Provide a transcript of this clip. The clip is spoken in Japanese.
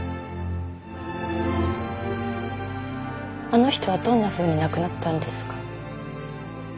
あの人はどんなふうに亡くなったんですか。